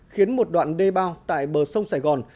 khiến một đoạn đê bao tại bờ sông sài gòn